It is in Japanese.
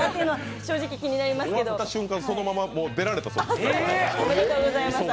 終わった瞬間そのまま出られたそうです。